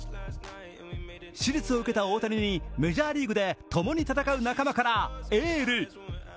手術を受けた大谷に、メジャーリーグでともに戦う仲間からエール。